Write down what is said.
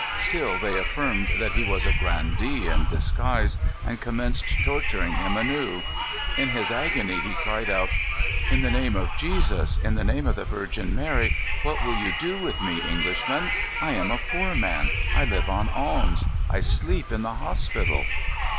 Still they affirmed that he was a grandee in disguise, and commenced torturing him anew. In his agony he cried out: "In the name of Jesus; in the name of the Virgin Mary, what will you do with me, Englishmen? I am a poor man. I live on alms. I sleep in the hospital."